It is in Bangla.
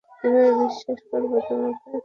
কীভাবে বিশ্বাস করব তোমাকে?